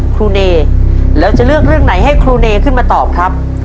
ครูเนแล้วจะเลือกเรื่องไหนให้ครูเนขึ้นมาตอบครับ